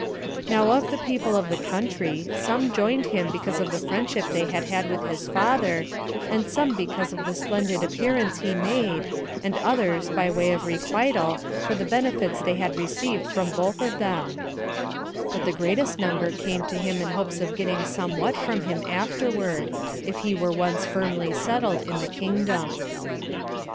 Now of the people of the country, some joined him because of the friendship they had had with his father, and some because of the splendid appearance he made, and others by way of requital for the benefits they had received from both of them; but the greatest number came to him in hopes of getting somewhat from him afterward, if he were once firmly settled in the kingdom.